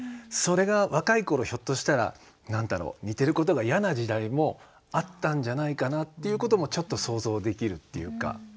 それが若い頃ひょっとしたら何だろう似てることが嫌な時代もあったんじゃないかなっていうこともちょっと想像できるっていうか。